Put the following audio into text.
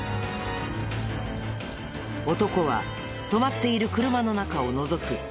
男は止まっている車の中をのぞく。